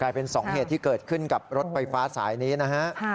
เป็นสองเหตุที่เกิดขึ้นกับรถไฟฟ้าสายนี้นะฮะ